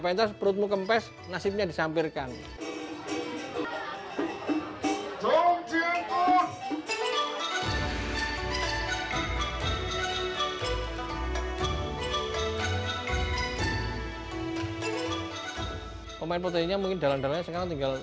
pentas perutmu kempes nasibnya disampirkan pemain proteinnya mungkin dalam dalamnya sekarang tinggal